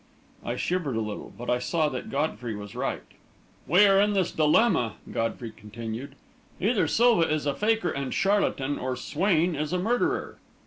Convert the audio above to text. I shivered a little, but I saw that Godfrey was right. "We are in this dilemma," Godfrey continued, "either Silva is a fakir and charlatan, or Swain is a murderer."